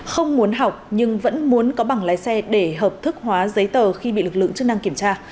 không muốn học nhưng vẫn muốn có bằng lái xe để hợp thức hóa giấy tờ khi bị lực lượng chức năng kiểm tra